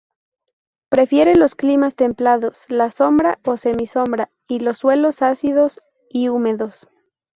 Prefiere los climas templados, la sombra o semisombra, y los suelos ácidos y húmedos.